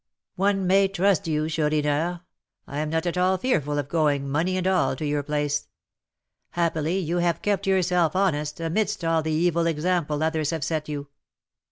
"One may trust you, Chourineur. I am not at all fearful of going, money and all, to your place; happily you have kept yourself honest, amidst all the evil example others have set you."